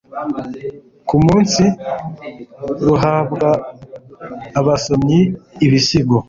ku munsi, ruhabwa abasomyi ibisigo